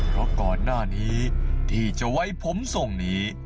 เพราะก่อนหน้านี้ที่จะไว้ผมทรงนี้